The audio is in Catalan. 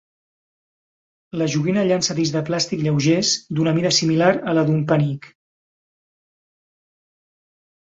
La joguina llança discs de plàstic lleugers d'una mida similar a la d'un penic.